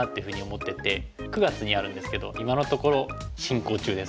９月にあるんですけど今のところ進行中です。